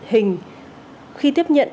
hình khi tiếp nhận